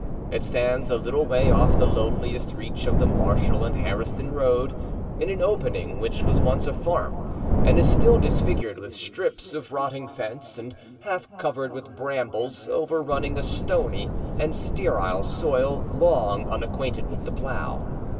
It stands a little way off the loneliest reach of the Marshall and Harriston road, in an opening which was once a farm and is still disfigured with strips of rotting fence and half covered with brambles overrunning a stony and sterile soil long unacquainted with the plow.